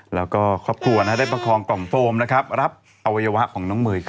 แล้วก็ครอบครัวได้ประคองกล่องโฟมรับอวัยวะของน้องเมย์